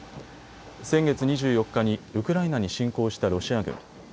先月２４日にウクライナに侵攻したロシア軍。